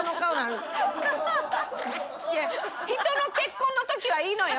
いや人の結婚の時はいいのよ。